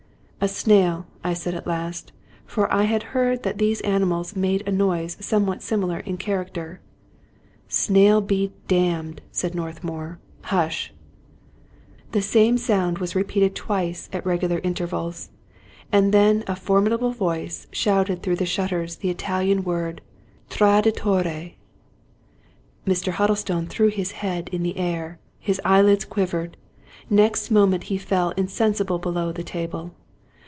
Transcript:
" A snail," I said at last ; for I had heard that these ani mals make a noise somewhat similar in character. " Snail be d d I " said Northmour. " Hush I ". The same sound was repeated twice at regular intervals ; and then a formidable voice shouted through the shutters the Italian word, " Traditore! " Mr. Huddlestone threw his head in the air; his eyelids quivered; next moment he fell insensible below the table.